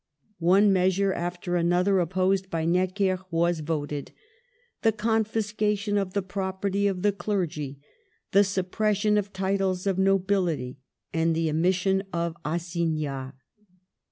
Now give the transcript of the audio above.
One measure after another opposed by Necker was voted — the confiscation of the property of the clergy, the suppression of titles of nobility, and the emission of assignats.